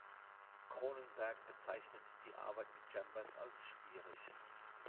Cronenberg bezeichnet die Arbeit mit Chambers als schwierig.